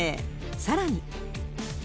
さらに。